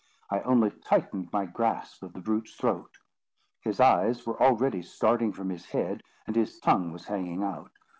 I only tightened my grasp of the brute's throat. His eyes were already starting from his head, and his tongue was hanging out.